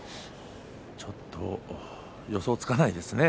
ちょっと予想がつかないですね。